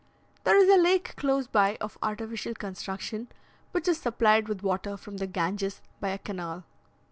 There is a lake close by of artificial construction, which is supplied with water from the Ganges by a canal.